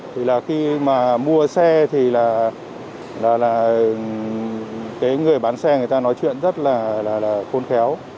thì là khi mà mua xe thì là cái người bán xe người ta nói chuyện rất là khôn khéo